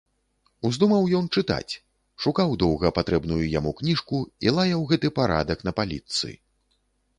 Уздумаў ён чытаць, шукаў доўга патрэбную яму кніжку і лаяў гэты парадак на палічцы.